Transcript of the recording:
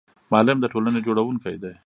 معلم د ټولنې جوړونکی دی